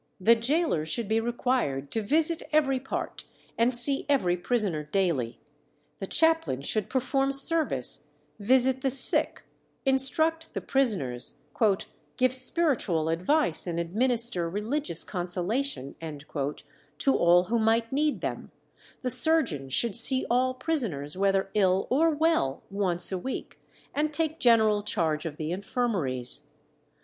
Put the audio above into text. The gaoler should be required to visit every part and see every prisoner daily; the chaplain should perform service, visit the sick, instruct the prisoners, "give spiritual advice and administer religious consolation" to all who might need them; the surgeon should see all prisoners, whether ill or well, once a week, and take general charge of the infirmaries.